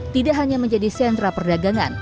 tidak hanya menjadi sentra perdagangan